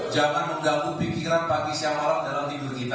jangan mengganggu pikiran pagi siang malam dalam tidur kita